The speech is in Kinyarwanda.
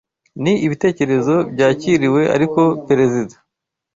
Ni ibitekerezo byakiriwe ariko Perezida